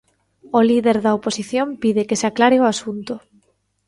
O líder da oposición pide que se aclare o asunto.